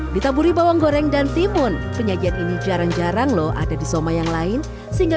ditaburi bawang goreng dan timun penyajian ini jarang jarang loh ada di soma yang lain sehingga